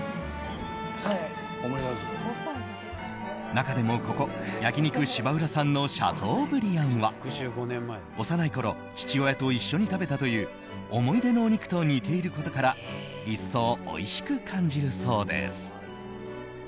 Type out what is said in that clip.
中でもここ、焼肉芝浦産のシャトーブリアンは幼いころ父親と一緒に食べたという思い出のお肉と似ていることから一層おいしく感じるそうです。